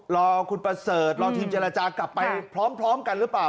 รอคุณประเสริฐรอทีมเจรจากลับไปพร้อมกันหรือเปล่า